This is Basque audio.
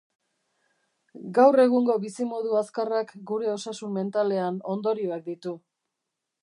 Gaur egungo bizimodu azkarrak gure osasun mentalean ondorioak ditu.